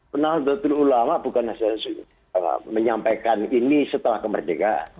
penahandatul ulama bukan hanya menyampaikan ini setelah kemerdekaan